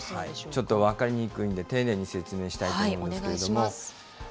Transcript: ちょっと分かりにくいんで、丁寧に説明したいと思うんですけお願いします。